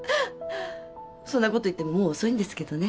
そんなこと言ってももう遅いんですけどね。